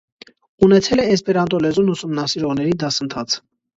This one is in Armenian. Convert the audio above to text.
Ունեցել է էսպերանտո լեզուն ուսումնասիրողների դասընթաց։